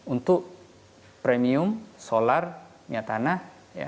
untuk premium solar minyak tanah